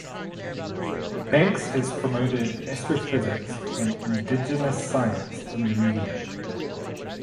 Banks has promoted Astrophysics and indigenous science in the media.